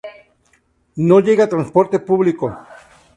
No llega transporte público.